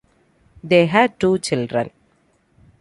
They had two children.